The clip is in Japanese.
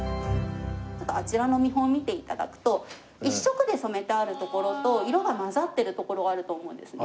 ちょっとあちらの見本を見て頂くと１色で染めてあるところと色が混ざってるところがあると思うんですね。